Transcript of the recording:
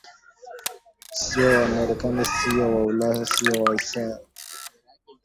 Siyo wamarekani siyo wa Ulaya siyo wa Asia